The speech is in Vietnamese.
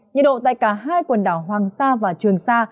nhiệt độ tại cả hai quần đảo hoàng sa và trường sa